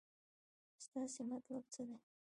ستاسې مطلب څه دی.